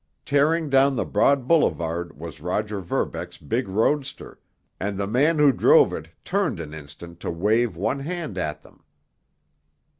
Tearing down the broad boulevard was Roger Verbeck's big roadster, and the man who drove it turned an instant to wave one hand at them.